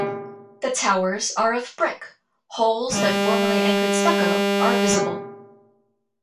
The towers are of brick; holes that formerly anchored stucco are visible.